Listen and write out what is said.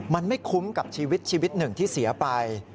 มันไม่คุ้มกับชีวิต๑ที่เสียไป